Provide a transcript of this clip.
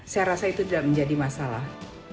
saya rasa itu tidak menjadi masalah